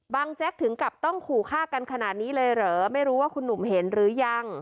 แจ๊กถึงกับต้องขู่ฆ่ากันขนาดนี้เลยเหรอไม่รู้ว่าคุณหนุ่มเห็นหรือยัง